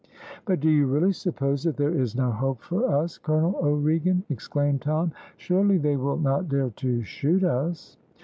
"But do you really suppose that there is no hope for us, Colonel O'Regan?" exclaimed Tom. "Surely they will not dare to shoot us!"